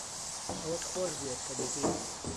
ئەوەت خۆش بوێت کە دەیکەیت.